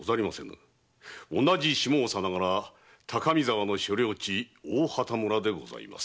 同じ下総ながら高見沢の所領地大畑村でございます。